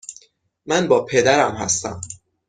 من با پدرم هستم.